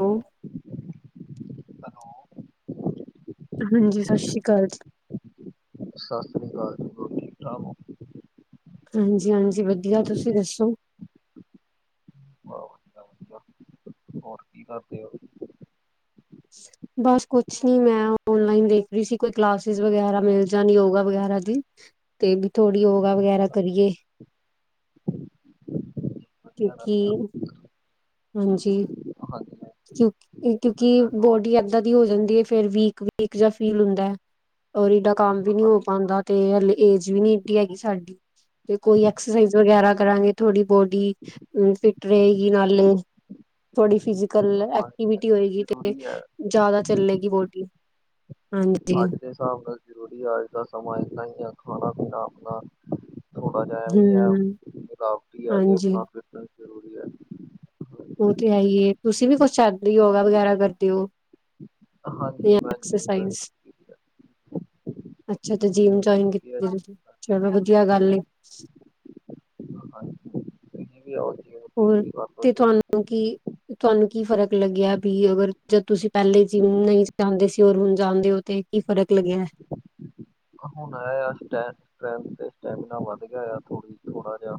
Hello, hello ਹਾਂਜੀ ਸਸ ਸ੍ਰੀ ਕਾਲ ਜੀ। ਸਸ ਸ੍ਰੀ ਕਾਲ ਜੀ, ਹੋਰ ਠੀਕ-ਠਾਕ ਹੋ। ਹਾਂਜੀ-ਹਾਂਜੀ ਵਧੀਆ ਤੁਸੀਂ ਦੱਸੋ। ਵਾਹ ਵਧੀਆ ਵਧੀਆ ਹੋਰ ਕੀ ਕਰਦੇ ਹੋ। ਬਸ ਕੁਛ ਨੀ ਮੈਂ ਓਨਲਾਈਨ ਦੇਖ ਰਹੀ ਸੀ ਕੋਈ ਕਲਾਸਿਸ ਵਗੈਰਾ ਮਿਲ ਜਾਨ ਯੋਗਾ ਵਗੈਰਾ ਦੀ। ਤੇ ਵੀ ਥੋੜ੍ਹੀ ਯੋਗਾ ਵਗੈਰਾ ਕਰੀਏ। ਵਧੀਆ ਕਰਦੇ ਆ ਕਿਉਂਕਿ ਹਾਂਜੀ ਹਾਂਜੀ ਹਾਂਜੀ, ਕਿੳਂ ਕਿਉਂਕਿ ਹੋਣੀ ਬੋਡੀ ਏਦਾਂ ਚਾਹੀਦੀ। ਦੀ ਹੋ ਜਾਂਦੀ ਹੈ ਫਿਰ ਵੀਕ-ਵੀਕ ਜਾਂ ਫੀਲ ਹੁੰਦਾ। ਔਰ ਏਡਾ ਕੰਮ ਵੀ ਨਹੀਂ ਹੋ ਪਾਦਾ ਤੇ ਹਲੇ ਏਜ ਵੀ ਨਹੀਂ ਏਡੀ ਹੈਗੀ ਸਾਡੀ। ਤੇ ਕੋਈ ਐਕਸਰਸਾਈਜ਼ ਵਗੈਰਾ ਕਰਾਂਗੇ ਤੁਹਾਡੀ ਬੋਡੀ ਫਿਟ ਰਹੇਗੀ ਨਾਲੇ। ਤੁਹਾਡੀ ਫਿਜ਼ਕਲ ਹਾਂਜੀ ਹਾਂਜੀ, ਐਕਟੀਵਿਟੀ ਹੋਏਗੀ ਤੇ ਜ਼ਰੂਰੀ ਹੈ ਜਾਦਾ ਚੱਲੇਗੀ ਬੋਡੀ। ਹਾਂਜੀ। ਅੱਜ ਦੇ ਹਿਸਾਬ ਨਾਲ ਜ਼ਰੂਰੀ ਹੈ ਅੱਜ ਦਾ ਸਮਾਂ ਇਨਾ ਹੀ ਆ ਖਾਣਾ ਪੀਣਾ ਆਪਨਾ ਥੋੜ੍ਹਾ ਜਿਹਾ ਵੀ ਹੈ ਹੂੰ, ਰੁਕਾਵਟੀ ਹੈ ਤੇ ਹਾਂਜੀ ਆਪਣਾ ਫਿਟਨ ਉਹ ਤੇ ਹੈ ਹੀਏ ਤੁਸੀਂ ਵੀ ਕੁਛ ਯੋਗਾ ਵਗੈਰਾ ਕਰਦੇ ਹੋ? ਹਾਂਜੀ ਜਾਂ ਮੈਂ ਜਿਮ ਐਕਸਰਸਾਈਜ਼ ਜੋਈਨ ਅੱਛਾ ਤੇ ਜਿਮ ਜੁਆਇਨ ਕੀਤੀ ਤੁ ਚਲੋ ਵਧੀਆ ਗੱਲ ਏ। ਹਾਂ ਹੋਰ ਤੇ ਜਿਮ ਤੁਹਾਨੂੰ ਕੀ ਤੁਹਾਨੂੰ ਕੀ ਫ਼ਰਕ ਲੱਗਿਆ ਵੀ ਅਗਰ ਜਦ ਤੁਸੀਂ ਪਹਿਲੇ ਜਿਮ ਨਹੀਂ ਜਾਂਦੇ ਸੀ ਔਰ ਹੁਣ ਜਾਂਦੇ ਹੋ। ਤੇ ਕੀ ਫਰਕ ਲੱਗਿਆ? ਹ ਹੁਣ ਇਹ ਹੈ ਸਟਰੈਂਥ ਸਟੈਮੀਨਾ ਵਧ ਗਿਆ ਥੋੜੀ ਥੋੜਾ ਜਿਹਾ।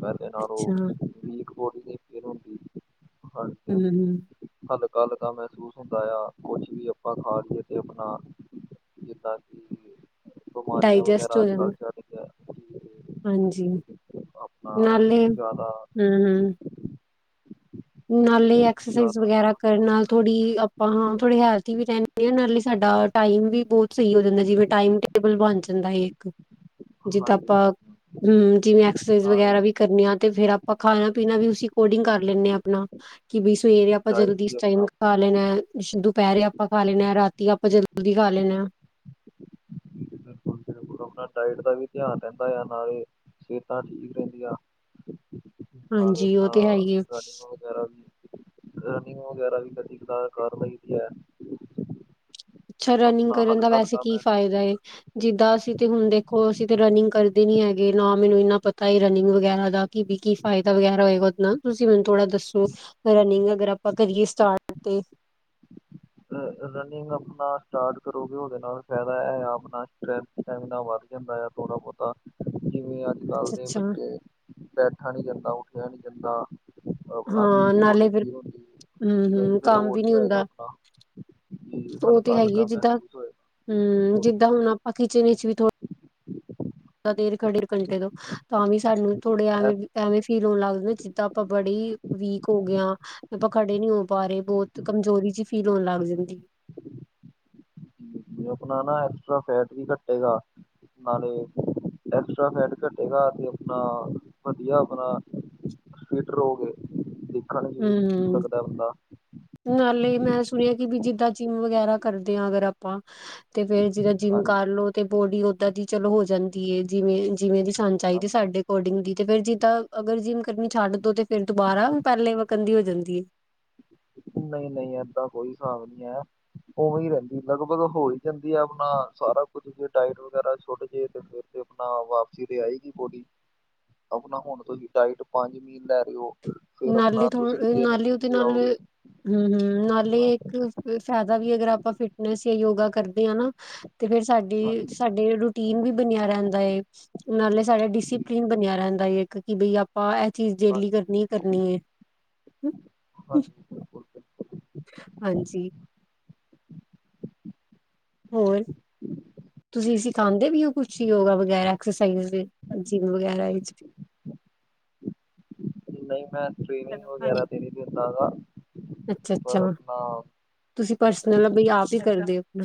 ਪਹਿਲੇ ਨਾਲੋਂ ਅੱਛਾ ਹੂੰ, ਉਹ ਵੀਕ ਬੋਡੀ ਫੀਲ ਹੁੰਦੀ ਹਾਂਜੀ ਹੂੰ ਹਲ ਕੱਲ ਦਾ ਮਹਿਸੂਸ ਹੁੰਦਾ ਆ ਇਆ ਕੁਛ ਵੀ ਆਪਾਂ ਖਾ ਲਈਏ ਅਤੇ ਆਪਨਾ ਜਿੱਦਾਂ ਕਿ ਬਿਮਾਰੀਆਂ ਡਾਇਜੈਸਟ ਵਗੈਰਾ ਹੋ ਅੱਜ ਕੱਲ ਜਾਂਦਾ ਚੱਲਦੀਆਂ ਹਾਂਜੀ ਨਾਲੇ ਜ਼ਿਆਦਾ ਹਮ, ਹਮ। ਨਾਲੇ ਐਕਸਰਸਾਈਜ਼ ਜ਼ਿਆਦਾ ਵਗੈਰਾ ਬਿਮਾਰੀਆਂ ਕਰਨ ਨਾਲ ਵਗੈਰਾ ਥੋੜੀ ਆਪਾਂ ਹਾਂ ਥੋੜੇ ਹੈਲਥੀ ਵੀ ਰਹਿੰਦੇ ਹਾਂ ਨਾਲੇ ਸਾਡਾ ਟਾਈਮ ਵੀ ਬਹੁਤ ਸਹੀ ਹੋ ਜਾਂਦਾ ਜਿਵੇਂ ਟਾਈਮ ਤੇ ਟੇਬਲ ਬਣ ਜਾਂਦਾ ਇੱਕ ਜਿੱਦਾਂ ਹਾਂਜੀ ਆਪਾਂ ਹਾਂਜੀ ਹਮ ਜਿਵੇਂ ਸਰਸਾਈਜ਼ ਨਾਲੇ ਵਗੈਰਾ ਵੀ ਕਰਨੇ ਤੇ ਫੇਰ ਆਪਾਂ ਖਾਣਾ ਪੀਣਾ ਵੀ ਓਸੀ ਅਕਾਰਡਿੰਗ ਕਰ ਲੈਂਣੇ ਆਪਣਾ ਕਿ ਬ ਸਵੇਰੇ ਆਪਾਂ ਡਾਇਟ ਜਲਦੀ ਵੀ ਇਸ ਟਾਈਮ ਆਪਣਾ ਖਾ ਲੈਨਾ। ਦੁਪਹਿਰੇ ਆਪਾਂ ਖਾ ਲੈਂਣੇ ਹਾਂ ਰਾਤੀ ਆਪਾਂ ਜਲਦੀ ਖਾ ਲੈਣੇ। [inaudible] ਆਪਣਾ ਡਾਇਟ ਦਾ ਵੀ ਧਿਆਨ ਰਹਿੰਦਾ ਆ ਨਾਲੇ ਸਿਹਤਾਂ ਠੀਕ ਰਹਿੰਦੀਆਂ ਨਾਲੇ ਹਾਂਜੀ ਉਹ ਆਪਣਾ ਤੇ ਹੈ ਹੀ ਹੈ ਰਨਿੰਗ ਵਗੈਰਾ ਵੀ ਰਨਿੰਗ ਵਗੈਰਾ ਵੀ ਕਦੀ ਤਾਂ ਕਰ ਲਈ ਦੀ ਹੈ ਅੱਛਾ ਰਨਿੰਗ ਆਪਣਾ ਕਰਨ ਦਾ ਹਲਕਾ ਵੈਸੇ ਹਲਕਾ ਕੀ ਮਹਿਸੂਸ ਫ਼ਾਇਦਾ ਏ ਜਿੱਦਾਂ ਅਸੀਂ ਤੇ ਹੁਣ ਦੇਖੋ ਅਸੀਂ ਤੇ ਰਨਿੰਗ ਕਰਦੇ ਨੀ ਹੈਗੇ ਨਾ ਮੈਨੂੰ ਇੰਨਾ ਪਤਾ ਹੀ ਰਨਿੰਗ ਵਗੈਰਾ ਦਾ ਕਿ ਵੀ ਕੀ ਫਾਇਦਾ ਵਗੈਰਾ ਹੋਏਗਾ ਤੁਸੀਂ ਮੈਨੂੰ ਥੋੜਾ ਦੱਸੋ ਰਨਿੰਗ ਅਗਰ ਆਪਾਂ ਕਰੀਏ ਸਟਾਰਟ ਤੇ ਹਾਂ ਰਨਿੰਗ ਆਪਣਾ ਸਟਾਰਟ ਕਰੋਗੇ ਉਹਦੇ ਨਾਲ ਫਾਇਦਾ ਇਹ ਆਪਣਾ ਸਟਰੈਂਥ ਸਟੈਮੀਨਾ ਵੱਧ ਜਾਂਦਾ ਹੈ ਨਾ ਪਤਾ ਕਿਵੇਂ ਅੱਜ ਕੱਲ ਅੱਛਾ ਦੇ ਅੱਛਾ ਬੱਚੇ ਬੈਠਾ ਨੀ ਜਾਂਦਾ ਉੱਠਿਆ ਨਹੀਂਜਾਂਦਾ ਆਪਣਾ ਮੀਂ ਹਾਂ ਨਾਲੇ ਬੜੀ ਫਿਰ ਪੀਰ ਹੁੰਦੀ ਹੂੰ ਨਹੀਂ ਹੂੰ ਫਰ ਕੰਮ ਉਹ ਵੀ ਨੀ ਹੋਏਗਾ ਹੁੰਦਾ ਆਪਣਾ ਕਿ ਉਹ ਤੇ ਹਲਕਾ ਹੈ ਹੀ ਹੈ ਹਲਕਾ ਜਿੱਦਾਂ ਮਹਿਸੂਸ ਹਮ ਜਿੱਦਾਂ ਹੋਏਗਾ ਹੁਣ ਆਪਾਂ ਕਿਚਨ ਵਿੱਚ ਵੀ ਥੋ ਦੇਰ ਖ ਡੇਢ ਘੰਟੇ ਤੋਂ ਤਾਂਵੇ ਵੀ ਸਾਨੂੰ ਥੋੜੇ ਐਵੇਂ ਐਵੇਂ ਫੀਲ ਹੋਣ ਲੱਗਦੇ ਜਿੱਦਾਂ ਆਪਾਂ ਬੜੀ ਵੀਕ ਹੋਗੇ ਆਂ ਆਪਾਂ ਖੜੇ ਨੀ ਹੋ ਪਾ ਰਹੇ ਬਹੁਤ ਕਮਜ਼ੋਰੀ ਫੀਲ ਹੋਣ ਲੱਗ ਜਾਂਦੀ ਹੈ ਆਪਣਾ ਨਾ ਐਕਸਟਰਾ ਫੈਟ ਵੀ ਘਟੇਗਾ ਨਾਲੇ ਐਕਸਟਰਾ ਫੈਡ ਘਟੇਗਾ ਤੇ ਆਪਣਾ ਵਧੀਆ ਆਪਣਾ ਫਿਟ ਰਹੋਗੇ ਦੇਖਣ ਨੁੰ ਵੀ ਠੀਕ ਹੂੰ, ਲੱਗਦਾ ਬੰਦਾ ਨਾਲੇ ਮੈਂ ਸੁਣਿਆ ਕਿ ਵੀ ਜਿੱਦਾਂ ਜਿੰਮ ਵਗੈਰਾ ਕਰਦੇ ਆਾਂ ਅਗਰ ਆਪਾਂ ਤੇ ਫੇਰ ਜਿੱਦਾਂ ਜਿੰਮ ਹਾਂਜੀ ਕਰਲੋ ਤੇ ਬੋਡੀ ਓਦਾਂ ਦੀ ਚਲੋ ਹੋ ਜਾਂਦੀ ਹੈ ਜਿਵੇਂ ਜਿਵੇਂ ਦੀ ਸਾਨੂ ਚਾਹੀਦੀ ਹਾਂਜੀ ਸਾਡੇ ਅਕੋਰਡਿੰਗ ਹੀ ਤੇ ਫੇਰ ਜੀ ਤਾਂ ਅਗਰ ਜਿਮ ਕਰਨਮੀ ਛੱਡ ਦੋ ਤੇ ਫਿਰ ਦੁਬਾਰਾ ਪਹਿਲੇ ਕੰਦੀ ਹੋ ਜਾਂਦੀ ਐ। ਨਹੀਂ-ਨਹੀਂ ਏਦਾ ਕੋਈ ਹਿਸਾਬ ਨਹੀਂ ਹੈ। ਉਵੇਂ ਹੀ ਰਹਿੰਦੀ ਲਗਭਗ ਹੋ ਹੀ ਜਾਂਦੀ ਆ ਆਪਣਾ ਸਾਰਾ ਕੁੱਝ ਜੇ ਡਾਇਟ ਵਗੈਰਾ ਛੁੱਟ ਜੇ ਤੇ ਫਿਰ। ਆਪਣਾ ਵਾਪਸੀ ਤੇ ਆਏਗੀ ਬੌਡੀ ਆਪਣਾ ਹੁਣ ਤੁਸੀਂ ਡਾਇਟ ਪੰਜ ਮੀਲ ਲੈ ਰਹੇ ਹੋ। ਫਿਰ ਨੱਲ ਆਪਣਾ ਤ ਤੁਸੀਂ ਤਿੰਨ ਨੱਲ ਮੀਲ ਉਦੀ ਤੇ ਨੱਲ ਆਓਗੇ ਹਮ-ਹਮ ਨਾਲੇ ਹਾਂਜੀ ਇੱਕ ਫਾਇਦਾ ਵੀ ਅਗਰ ਆਪਾਂ ਫਿਟਨੈਸ ਯਾ ਯੋਗਾ ਕਰਦੇ ਹਾਂ ਨਾ ਤੇ ਫੇਰ ਸਾਡੀ ਹਾਂਜੀ ਸਾਡੀ ਰ ਟੀਨ ਵੀ ਬਣਿਆ ਰਹਿੰਦਾ ਨਾਲੇ ਸਾਡਾ ਜੀ ਡਿਸਪਲਿਨ ਬਣਿਆ ਰਹਿੰਦਾ ਹੈਏ ਕਿ ਬਈ ਆਪਾਂ ਚੀਜ਼ ਡੇਲੀ ਹਾਂਜੀ ਕਰਨੀ ਹੈ ਕਰਨੀ ਹੈ ਹ। ਹਾਂਜੀ ਬਿਲਕੁਲ। ਹਾਂਜੀ। ਹੋਰ ਤੁਸੀਂ ਸਿਖਾਦੇ ਵੀ ਹੋ ਕੁਛ ਯੋਗਾ ਵਗੈਰਾ ਐਕਸਸਾਈਜ਼ ਜਿੰਮ ਵਗੈਰਾ ਵਿੱਚ। ਨਹੀਂ ਮੈਂ ਟ੍ਰੇਨਿੰਗ ਵਗੈਰਾ ਤੇ ਨੀ ਦਿੰਦਾ ਹੈਗਾ ਪਰ ਆਪਣਾ ਮਤਲਬ ਬਈ ਆਪ ਹੀ ਕਰਦੇ ਹੋ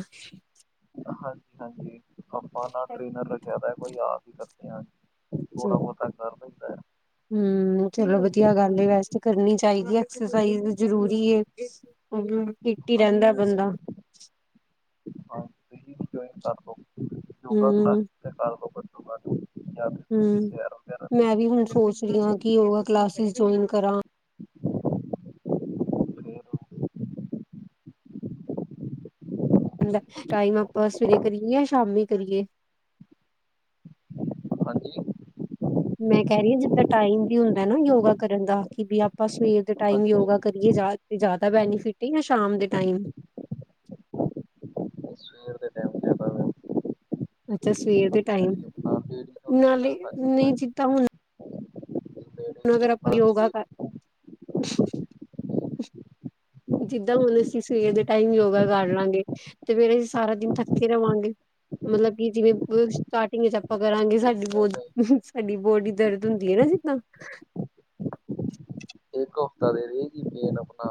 ਹਾਂਜੀ- ਹਾਂਜੀ ਆਪਾਂ ਨਾ ਟ੍ਰੇਨਰ ਰਖਿਆ ਦਾ ਕੋਈ ਆਪ ਹੀ ਕਰਦੇ ਹਾਂ। ਥੋੜਾ ਬਹੁਤਾ ਕਰ ਲਈਦਾ ਹੈ। ਹਮ ਚਲੋ ਵਧੀਆ ਗੱਲ ਵੈਸੇ ਕਰਨੀ ਚਾਹੀਦੀ ਐਕਸਰਸਾਈਜ਼ ਜ਼ਰੂਰੀ ਹੈ ਫਿਟ ਹੀ ਰਹਿੰਦਾ ਹਾਂਜੀ ਬੰਦਾ। ਹਾਂ ਤੁ ਯੋਗਾ ਕਲਾਸ ਹੂੰ-ਹੂੰ, ਕਰਗਾ ਹਮ ਮੈਂ ਵੀ ਹੁਣ ਕਰੋ। ਸੋਚ ਰਹੀ ਹਾਂ ਕਿ ਯੋਗਾ ਕਲਾਸਿਸ ਜੁਇਨ ਕਰਾਂ। ਫਿਰ ਟਾਈਮ ਆਪਾਂ ਸਵੇਰੇ ਕਰੀਏ ਜਾਂ ਸ਼ਾਮੀ ਕਰੀਏ। [inaudible] ਮੈਂ ਕਹਿ ਰਹੀ ਹਾਂ ਜਿੱਦਾਂ ਟਾਈਮ ਵੀ ਹੁੰਦਾ ਨਾ ਯੋਗਾ ਕਰਨ ਦਾ ਕਿ ਵੀ ਆਪਾਂ ਸਵੇਰ ਦੇ ਟਾਈਮ ਹਾਂਜੀ ਯੋਗਾ ਕਰੀਏ ਜ਼ਿਆਦਾ ਬੈਨੀਫਿਟ ਜਾਂ ਸ਼ਾਮ ਦੇ ਟਾਈਮ। [inaudible] ਤੇ ਆਪਾਂ ਅੱਛਾ ਸਵੇਰ ਦੇ ਟਾਈਮ ਜਿਹੜੀ ਆਪਣਾ ਲੇਡੀਜ਼ ਹੁੰਦੀ ਹੈ ਨਾਲੇ ਨਾ ਹਾਂਜੀ ਨਹੀਂ ਹਾਂਜੀ ਜੀਦਾ ਹੁਣ ਹੁਣ ਲੇਡੀਜ਼ ਨੂੰ ਅਗਰ ਆਪਾਂ ਆਪਣਾ ਯੋਗਾ ਕਰ ਸਵੇਰੇ ਜਿੱਦਾਂ ਹੁਣ ਅਸੀਂ ਸਵੇਰ ਦੇ ਟਾਈਮ ਯੋਗਾ ਕਰ ਲਾਂਗੇ ਤੇ ਫੇਰ ਅਸੀਂ ਸਾਰਾ ਦਿਨ ਥੱਕੇ ਰਵਾਂਗੇ। ਮਤਲਬ ਕਿ ਜਿਵੇਂ ਸਟਾਰਟਿੰਗ ਚ ਆਪਾਂ ਕਰਾਂਗੇ ਸਾਡੀ ਬੋ ਨਹੀਂ ਨਹੀਂ ਸਾਡੀ ਬੋਡੀ ਦਰਦ ਹੁੰਦੀ ਹੈ ਨਾ ਜਿੱਦਾਂ। ਇੱਕ ਹਫਤਾ ਦੇ ਰਹੇਗੀ ਪੇਨ ਆਪਣਾ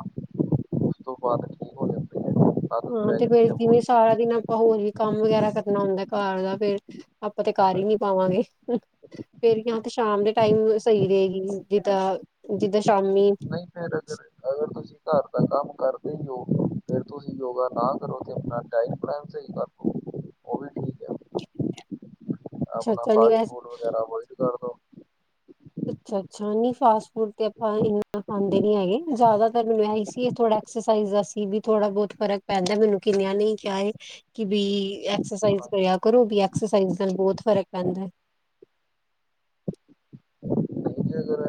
ਉਸ ਤੋਂ ਬਾਅਦ ਠੀਕ ਹੋ ਜਾਂਦੀ। ਹੈ ਆਦਤ ਹਾਂ ਪੈ ਤੇ ਫੇਰ ਜਾਂਦੀ ਹੈ ਜਿਵੇਂ ਹੌਲੀ ਸਾਰਾ ਦਿਨ ਆਪਾਂ ਹੋਰ ਵੀ ਕੰਮ ਵਗੈਰਾ ਕਰਨਾ ਹੁੰਦਾ ਘਰ ਦਾ ਫਰ ਆਪਾਂ ਤੇ ਕਰ ਹੀ ਨੀ ਪਾਵਾਂਗੇ ਫੇਰ ਸ਼ਾਮ ਦੇ ਟਾਈਮ ਸਹੀ ਰਹੇਗੀ ਜਿੱਦਾਂ- ਜਿੱਦਾਂ ਸ਼ਾਮੀ ਨਹੀਂ ਅਗਰ ਤੁਸੀਂ ਘਰ ਦਾ ਕੰਮ ਕਰਦੇ ਹੋ ਫਿਰ ਤੁਸੀਂ ਯੋਗਾ ਨਾ ਕਰੋ ਤੇ ਆਪਣਾ ਟਾਈਮ ਪ੍ਰੈੱਸ ਚ ਕੇ ਲਓ। ਉਹ ਵੀ ਅਪਣਾ ਅੱਛਾ ਨੀ ਫਾਸਟ ਵੈਸੇ ਫੂਡ ਵਗੈਰ੍ਹਾ ਅਵਿਓਡ ਅੱਛਾ -ਅੱਛਾ ਨਹੀਂ ਫਾਸਟ ਫੂਡ ਤੇ ਆਪਾਂ ਇੰਨਾ ਖਾਂਦੇ ਨੀ ਹੈਗੇ ਜ਼ਿਆਦਾਤਰ ਮੈ ਇਸਲਿਏ ਥੋੜਾ ਐਕਸਰਸਾਈਜ਼ ਦਾ ਸੀ ਵੀ ਥੋੜਾ ਬਹੁਤ ਫਰਕ ਪੈਂਦਾ ਮੈਨੂੰ ਕਿੰਨਿਆ ਨ ਕਿਹਾਏ ਕਿ ਭਈ ਐਕਸਰਸਾਈਜ਼ ਕਰਿਆ ਕਰੋ ਵੀ ਐਕਸਸਾਈ ਨਾਲ ਬਹੁਤ ਫ਼ਰਕ ਪੈਂਦਾ ਹੈ। [inaudible] ਨਹੀਂ ਜੇ ਅਗਰ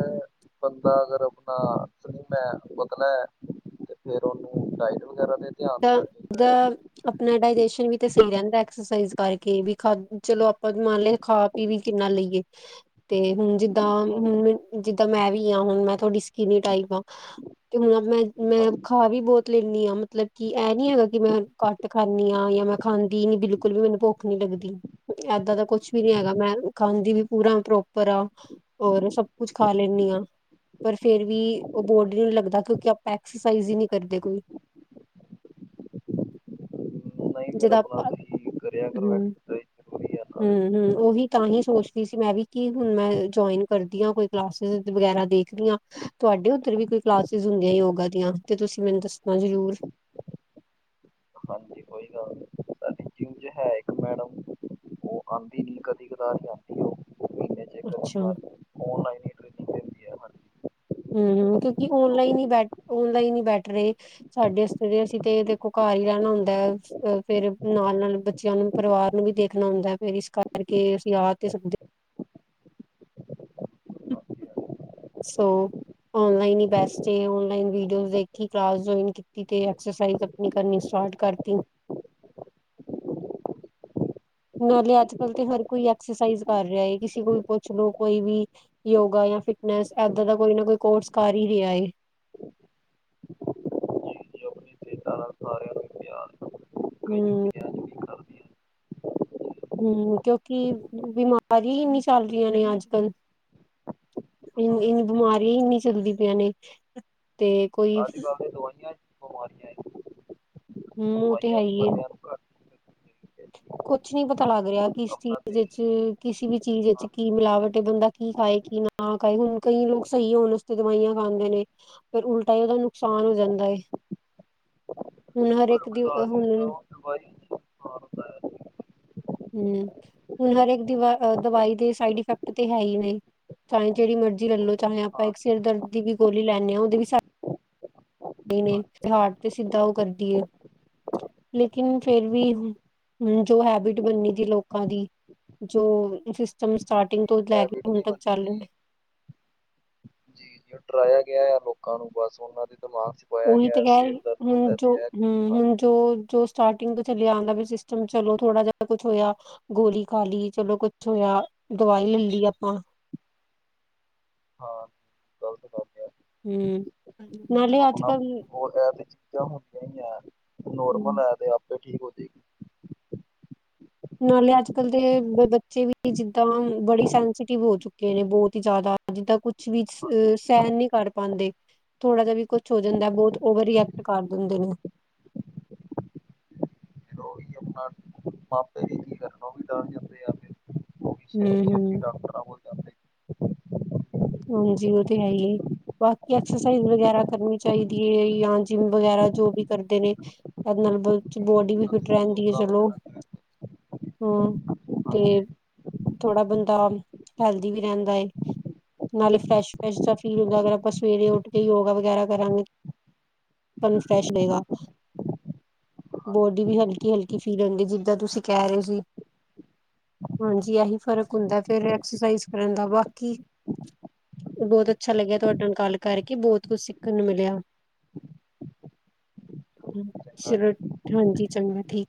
ਬੰਦਾ ਅਗਰ ਆਪਣਾ ਸਲੀਮ ਹੈ ਪਤਲਾ ਹੈ ਤੇ ਫੇਿਰ ਉਹਨੂੰ ਡਾਇਟ ਵਗੈਰਾ ਤੇ ਧਿਆਨ ਤਾਂ ਦੇਣਾ ਦਾ ਚਾਹੀਦਾ ਆ। ਆਪਣਾ ਡਾਇਜੈਸ਼ਨ ਵੀ ਤੇ ਸਹੀ ਰਹਿੰਦਾ ਐਕਸਰਸਾਈਜ਼ ਕਰਕੇ ਵੀ ਖਾ ਚਲੋ ਆਪਾਂ ਮੰਨ ਲੋ ਖਾ ਪੀ ਵੀ ਕੇ ਨਾਲ ਲਈਏ ਤੇ ਹੁਣ ਜਿੱਦਾਂ ਹੁਣ ਜਿੱਦਾਂ ਮੈਂ ਵੀ ਹਾਂ ਹੁਣ ਮੈਂ ਤੁਹਾਡੀ ਸਕਿਨ ਟਾਈਪ। ਤੇ ਹੁਣ ਮੈਂ ਮੈਂ ਹਾਂਜੀ, ਖਾ ਵੀ ਬਹੁਤ ਲੈਂਦੀ ਹਾਂ ਮਤਲਬ ਕਿ ਇਹ ਨੀ ਹੈਗਾ ਕਿ ਮੈਂ ਕੱਟ ਖਾਂਦੀ ਆ ਯ ਮੈਂ ਖਾਂਦੀ ਨੀ ਬਿਲਕੁਲ ਵੀ ਮੈਨੂੰ ਭੁੱਖ ਨੀ ਲੱਗਦੀ ਇਹ ਦਾ ਕੁਛ ਵੀ ਨੀ ਹੈਗਾ ਮੈਂ ਖਾਂਦੀ ਵੀ ਪੂਰਾ ਪ੍ਰੋਪਰ ਆ ਔਰ ਸਭ ਕੁਛ ਖਾ ਲੈਂਦੀ ਹਾਂ। ਪਰ ਫੇਰ ਵੀ ਉਹ ਬਾਡੀ ਨੂੰ ਲੱਗਦਾ ਕਿਉਂਕਿ ਆਪਾਂ ਐਕਸਰਸਾਈਜ਼ ਹੀ ਨਹੀਂ ਕਰਦੇ ਕੋਈ। ਨਹੀਂ ਫੇਰ ਜਿਦਾਂ ਆਪਣਾ ਆਪਾਂ ਤੁਸੀਂ ਕਰਿਆ ਕਰੋ ਏਹ ਹਮ ਜ਼ਰੂਰੀ ਹੈ। ਨਾਲੇ ਹਮ ਹਮ ਉਹੀ ਤਾਂ ਹੀ ਸੋਚਦੀ ਸੀ ਮੈਂ ਵੀ ਕਿ ਹੁਣ ਮੈਂ ਜੁਆਇਨ ਕਰਦੀ ਹਾਂ ਕੋਈ ਕਲਾਸਿਸ ਵਗੈਰਾ ਦੀ ਦੇਖਦੀ ਹ ਤੁਹਾਡੇ ਉੱਧਰ ਵੀ ਕੋਈ ਕਲਾਸਿਸ ਹੁੰਦੀਆਂ ਯੋਗਾ ਦੀਆਂ, ਤੇ ਤੁਸੀਂ ਮੈਨੂੰ ਦੱਸਣਾ ਜ਼ਰੂਰ। ਹਾਂਜੀ ਕੋਈ ਗੱਲ ਨੀ ਸਾਡੀ ਜਿਮ ਚ ਹੈ ਇੱਕ ਮੈਡਮ ਉਹ ਆਉਂਦੀ ਨੀ ਕਦੀ ਕਦਾਰ ਆਉਂਦੀ ਉਹ। ਮਹੀਨੇ ਚ ਇੱਕ ਅੱਧੀ ਅੱਛਾ। ਵਾਰ ਔਨਲਾਈਨ ਹੀ ਟ੍ਰੇਨਿੰਗ ਦਿੰਦੀ ਹੈ ਹਾਂਜੀ ਹਮ ਹਮ ਮਤਲੱਬ ਕਿ ਔਨਲਾਈਨ ਹੀ ਬੈਠ ਓਨਲਾਈਨ ਹੀ ਬੈਠ ਰਹੇ ਸਾਡੇ ਤੇ, ਅਸੀਂ ਤੇ ਦੇਖੋ। ਏਹੀ ਰਹਿਣਾ ਹੁੰਦਾ ਹੈ ਅ ਫੇਰ ਨਾਲ ਨਾਲ ਬੱਚਿਆਂ ਨੂੰ, ਪਰਿਵਾਰ ਨੂੰ ਵੀ ਦੇਖਣਾ ਹੁੰਦਾ ਹੈ ਫੇਰ ਇਸ ਕਰਕੇ ਨਹੀਂ ਅਸੀਂ ਆ ਤੇ ਸਦੇ [inaudible] ਹਾਂਜੀ ਸੋ। ਔਨਲਾਈਨ ਹੀ ਬੈਸਟ ਏ, ਔਨਲਾਈਨ ਵੀ ਤੁਸੀਂ ਦੇਖੀ ਕਲਾਸਨ ਕੀਤੀ ਅਕ੍ਸਰਸਾਈਜ਼ ਆਪਣੀ ਕਰਨੀ। ਪਾਠ ਕਰਤੀ ਹੁ। [inaudible] ਨਾਲੇ ਅੱਜ ਕੱਲ ਤੇ ਹਰ ਕੋਈ ਐਕਸਰਸਾਈਜ਼ ਕਰ ਰਿਹਾ ਹੈ, ਕਿਸੇ ਕੋਲ ਪੁੱਛ ਲੋੋ ਕੋਈ ਵੀ ਯੋਗਾ। ਫਿਟਨੈਸ ਇਏਦਾਂ ਦਾ ਕੋਈ ਨਾ ਕੋਈ ਕੋਰਸ ਕਰ ਹੀ ਰਿਹਾ ਹੈ। [inaudible] ਸਿਹਤਾਂ ਨਾਲ [inaudible] ਹਮ। ਹੁੰਦੀਆਂ ਜਿਹੜੀ ਕਰਦੀਆਂ ਹਮ ਕਿਉਂਕਿ ਬਿਮਾਰੀ ਇੰਨੀ ਚੱਲ ਰਹੀਆਂ ਨੇ ਅੱਜ ਕੱਲ। ਇਹ ਹਾਂਜੀ ਬਿਮਾਰੀਆਂ ਇਨੀ ਚੱਲਦੀ ਪਈਆਂ ਨੇ, ਤੇ ਕੋਈ ਦਵਾਈਆਂ। ਬਿਮਾਰੀਆਂ ਹੈ, ਹਮ ਉਹ ਤੇ ਹੈ ਦਵਾਈਆਂ ਵੀ ਹੀ ਹੈ। ਬੰਦਿਆਂ ਨੂੰ ਘੱਟ ਕੁਛ ਨਹੀਂ ਪਤਾ ਲੱਗ ਰਿਹਾ, ਕਿਸ ਆਪਣਾ ਚੀਜ਼ ਵਿੱਚ ਦੇਸੀ ਕਿਸੇ ਵੀ ਚੀਜ਼ ਵਿੱਚ ਖਾਣ ਕੀ ਮਿਲਾਵਟ, ਬੰਦਾ ਕੀ ਖਾਏਗਾ। ਕਿ ਨਾ ਕ ਹੁਣ ਕਈ ਲੋਕ ਸਹੀ ਹੋਣ ਉਸਤੇ ਦਵਾਈਆਂ ਖਾਂਦੇ ਨੇ, ਫ਼ੇਰ ਉਲਟਾ ਹੀ ਉਹਦਾ ਨੁਕਸਾਨ ਹੋ ਜਾਂਦਾ ਹੈ। ਹੁਣ [inaudible] ਹਮ ਹੁਣ ਹਰੇਕ ਦੀਵਾ ਦਵਾਈ ਦੇ ਸਾਈਡ ਇਫੈਕਟ ਤੇ ਹੈ ਹੀ ਨੇ। ਚਾਹੇ ਜਿਹੜੀ ਮਰਜ਼ੀ ਲੈਲੋ ਚਾਹੇ ਆਪਾਂ ਇੱਕ ਹਾਂਜੀ ਸਿਰ ਦਰਦ ਦੀ ਵੀ ਗੋਲੀ ਲੈਂਦੇ ਹਾਂ, ਉਹਦੇ ਵੀ ਸਾਇਡ ਨੇ ਹਾਰਟ ਤੇ ਸਿੱਧਾ ਉਹ ਕਰਦੀ ਹੈ। ਲੇਕਿਨ ਫ਼ੇਰ ਵੀ ਜੋ ਹੈਬਿਟ ਬਨੀ ਤੀ ਲੋਕਾਂ ਦੀ। ਜੋ ਸਿਸਟਮ ਸਟਾਰਟਿੰਗ ਹਾਂਜੀ ਤੋਂ ਲੈ ਕੇ ਹੈਬਿਟ ਹੁਣ ਨਹੀਂ ਤੱਕ ਬਣਨੀ ਚੱਲ ਦੀ ਰਿਹਾ। ਜੀ ਜੀ ਡਰਾਇਆ ਗਿਆ ਆ ਲੋਕਾਂ ਨੂੰ ਬਸ ਉਹਨਾਂ ਦੇ। ਦਿਮਾਗ ਚ ਪਾਇਆ ਉਹੀ ਤੇ ਗਿਆ ਕਹਿ ਸਿਰ ਰਹੀ ਦਰਦ ਹੁਣ ਹੁੰਦਾ ਜੋ ਤੇ ਇਹ ਹਮ ਖਾਣੀ ਹੁਣ। ਜੋ ਜੋ ਸਟਾਰਟਿੰਗ ਤੋਂ ਚੱਲਿਆ ਆਉਂਦਾ ਵੀ ਸਿਸਟਮ, ਚਲੋ ਥੋੜਾ ਜਿਹਾ ਕੁਛ ਹੋਇਆ ਗੋਲੀ ਖਾਲੀ ਚਲੋ। ਕੁਛ ਹੋਇਆ ਦਵਾਈ ਲੈ ਲਈ ਆਪਾਂ। ਹਾਂ। ਗ਼ਲਤ ਗੱਲ ਆ ਹਮ ਨਾਲੇ ਅੱਜ ਕੱਲ। ਬਾਅਦ ਵਿੱਚ ਚੀਜ਼ਾਂ ਹੁੰਦੀਆਂ ਨੇ। ਹਮ। ਹੋ ਜਾਏਗੀ ਨਾਲੇ ਅੱਜ ਕੱਲ੍ਹ ਦੇ ਬੱਚੇ ਵੀ ਜਿੱਦਾਂ ਬੜੀ ਸੈਂਸਟਿਵ ਹੋ ਚੁੱਕੇ ਨੇ, ਬਹੁਤ ਹੀ ਜ਼ਿਆਦਾ। ਜਿੱਦਾਂ ਕੁਛ ਵੀ ਅ ਹਾਂਜੀ ਸਹਿਣ ਨਹੀਂ ਕਰ ਪਾਉਂਦੇ। ਥੋੜਾ ਜਿਹਾ ਵੀ ਕੁਛ ਹੋ ਜਾਂਦਾ ਬਹੁਤ ਓਵਰ ਹਾਂਜੀ। ਰਿਐਕਟ ਕਰ ਦਿੰਦੇ ਨੇ। [inaudible] ਮਾਪੇ ਵੀ ਕੀ ਕਰਨ ਉਹ ਵੀ ਡਰ ਜਾਂਦੇ ਆ ਫਿਰ ਉਹ ਵੀ ਹਮ ਛੇਤੀ ਹਮ। ਛੇਤੀ ਡਾਕਟਰਾਂ ਕੋਲ ਜਾਂਦੇ ਹਾਂਜੀ ਉਹ ਤੇ ਹੈ ਹੀ ਹੈ। ਬਾਕੀ ਐਕਸਰਸਾਈਜ਼ ਵਗੈਰਾ ਕਰਨੀ ਚਾਹੀਦੀ ਹੈ, ਜਾਂ ਜਿੰਮ ਵਗੈਰਾ ਜੋ ਵੀ ਕਰਦੇ ਨੇ। ਮਤਲਬ ਬੋਡੀ ਵੀ ਫਿਟ ਰਹਿੰਦੀ ਹੈ ਚਲੋ। ਅੱ ਹਮ ਤੇ। ਥੋੜ੍ਹਾ ਬੰਦਾ ਹੈਲਦੀ ਵੀ ਰਹਿੰਦਾ ਏ। ਨਾਲੇ ਫਰੈਸ਼ ਫਰੈਸ਼ ਜਿਹਾ ਫੀਲ ਹੁੰਦਾ, ਅਗਰ ਆਪਾਂ ਸਵੇਰੇ ਉੱਠ ਕੇ ਯੋਗਾ ਵਗੈਰਾ ਕਰਾਂਗੇ। [unintelligible] ਬੋਡੀ ਵੀ ਹਲਕੀ-ਹਲਕੀ ਫੀਲ ਹੁੰਦੀ ਜਿੱਦਾਂ ਤੁਸੀਂ ਕਹਿ ਰਹੇ ਸੀ। ਹਾਂਜੀ ਇਹੀ ਫ਼ਰਕ ਹਾਂਜੀ ਹੁੰਦਾ ਫਿਰ ਐਕਸਰਸਾਈਜ਼ ਕਰਨ ਦਾ ਬਾਕੀ। ਬਹੁਤ ਅੱਛਾ ਲੱਗਿਆ ਤੁਹਾਡੇ ਨਾਲ ਗੱਲ ਕਰਕੇ ਬਹੁਤ ਕੁਝ ਸਿੱਖਣ ਨੂੰ ਮਿਲਿਆ। ਹਾਂਜੀ, ਚੰਗਾ। ਚਲੋ ਹਾਂਜੀ ਚੰਗਾ ਠੀਕ।